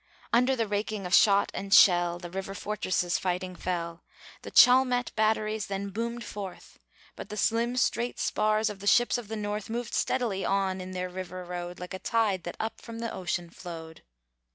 Under the raking of shot and shell The river fortresses fighting fell; The Chalmette batteries then boomed forth, But the slim, straight spars of the ships of the North Moved steadily on in their river road, Like a tide that up from the ocean flowed.